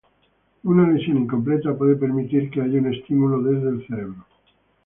Una lesión incompleta puede permitir que haya un estímulo desde el cerebro.